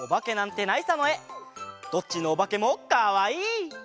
どっちのおばけもかわいい！